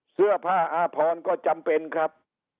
เสื้อผ้าอาพรก็จำเป็นครับ